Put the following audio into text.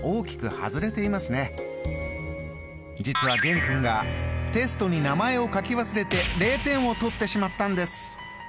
実は玄君がテストに名前を書き忘れて０点を取ってしまったんです！